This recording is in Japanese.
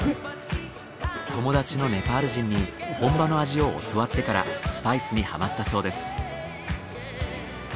友達のネパール人に本場の味を教わってからスパイスにハマったそうです。